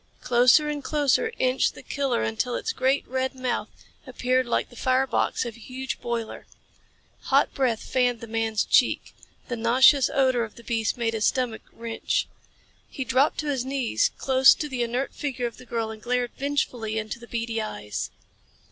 Closer and closer inched the killer until its great, red mouth appeared like the fire box of a huge boiler. Hot breath fanned the man's cheek. The nauseous odor of the beast made his stomach wrench. He dropped to his knees close to the inert figure of the girl and glared vengefully into the beady eyes.